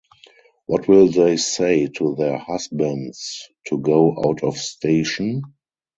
What will they say to their husbands to go out of station?